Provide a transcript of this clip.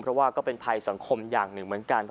เพราะว่าก็เป็นภัยสังคมอย่างหนึ่งเหมือนกัน